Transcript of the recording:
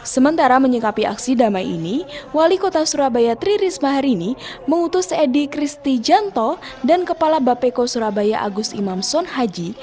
sementara menyikapi aksi damai ini wali kota surabaya tri risma hari ini mengutus edy kristijanto dan kepala bapeko surabaya agus imam son haji